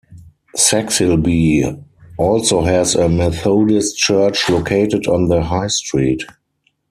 Saxilby also has a Methodist church located on the High Street.